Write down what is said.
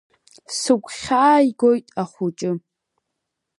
Сыгәхьааигоит ахәыҷы…